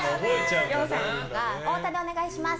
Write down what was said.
４歳の子が太田でお願いします。